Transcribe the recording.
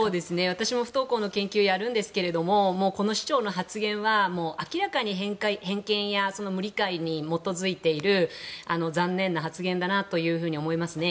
私も不登校の研究やるんですがこの市長の発言は明らかに偏見や無理解に基づいている残念な発言だなと思いますね。